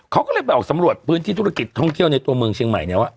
เขาก็เลยไปออกสำรวจพื้นที่ธุรกิจท่องเที่ยวในตัวเมืองเชียงใหม่เนี่ยว่า